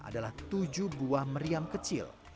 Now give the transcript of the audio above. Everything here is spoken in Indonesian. adalah tujuh buah meriam kecil